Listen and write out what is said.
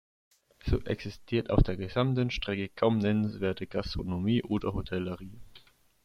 So existiert auf der gesamten Strecke kaum nennenswerte Gastronomie oder Hotellerie.